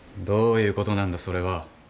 どういうことなんだそれは。